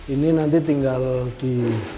ini nanti tinggal di